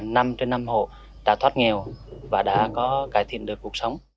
đã thuộc hộ đã thoát nghèo và đã có cải thiện được cuộc sống